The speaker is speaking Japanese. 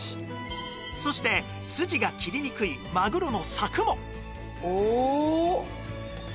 そして筋が切りにくいマグロの柵も